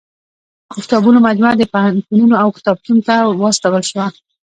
د کتابونو مجموعه پوهنتونونو او کتابتونو ته واستول شوه.